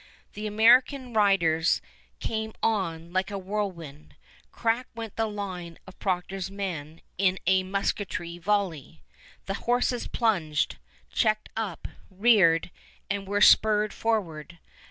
The American riders came on like a whirlwind. Crack went the line of Procter's men in a musketry volley! The horses plunged, checked up, reared, and were spurred forward.